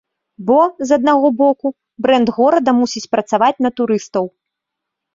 Бо, з аднаго боку, брэнд горада мусіць працаваць на турыстаў.